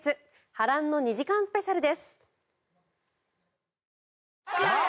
波乱の２時間スペシャルです。